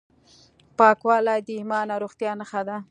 پاکوالی د ایمان او روغتیا نښه ده.